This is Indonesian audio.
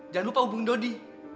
jangan lupa hubung dodi